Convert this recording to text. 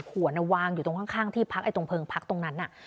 ขวดวางอยู่ตรงข้างที่พักตรงเพลิงพักตรงนั้น